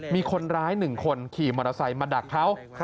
มีคนร้าย๑คนขี่มอเตอร์ไซค์มาดักเขา